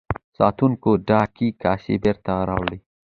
ساتونکو ډکې کاسې بیرته وړلې.